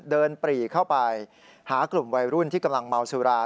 ปรีเข้าไปหากลุ่มวัยรุ่นที่กำลังเมาสุรา